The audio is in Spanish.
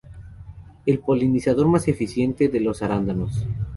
Es el polinizador más eficiente de los arándanos.